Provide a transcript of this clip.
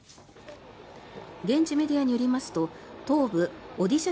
現地メディアによりますと東部オディシャ